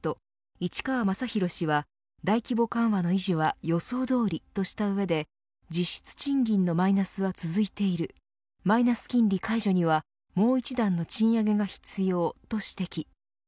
市川雅浩氏は、大規模緩和の維持は予想どおりとした上で実質賃金のマイナスは続いているマイナス金利解除にはもう一段の賃上げが必要と指摘。